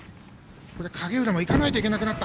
影浦もいかないといけなくなった。